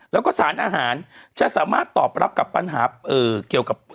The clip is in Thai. แล้วก็สารอาหารจะสามารถตอบรับกับปัญหาเกี่ยวกับ